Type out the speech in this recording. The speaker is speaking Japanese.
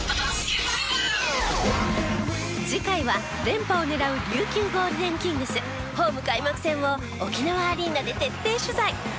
次回は連覇を狙う琉球ゴールデンキングスホーム開幕戦を沖縄アリーナで徹底取材。